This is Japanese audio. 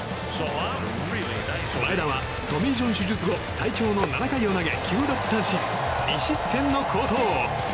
前田はトミー・ジョン手術後最長の７回を投げ９奪三振、２失点の好投。